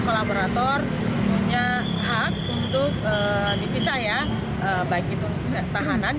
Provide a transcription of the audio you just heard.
kolaborator punya hak untuk dipisah ya baik itu bisa tahan ya baik itu bisa tahan ya baik itu bisa tahan